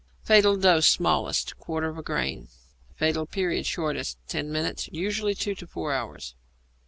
Fatal Dose (Smallest). Quarter of a grain. Fatal Period (Shortest). Ten minutes; usually two to four hours.